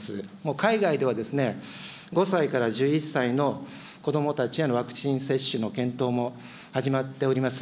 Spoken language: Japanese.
海外では５歳から１１歳の子どもたちへのワクチン接種の検討も始まっております。